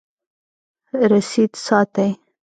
رسید ساتئ